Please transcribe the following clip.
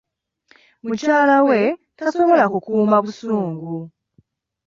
Mukyala we tasobola kukuuma busungu.